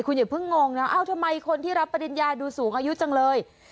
คุณอย่าเพิ่งงงนะเอ้าทำไมคนที่รับปริญญาดูสูงอายุจังเลย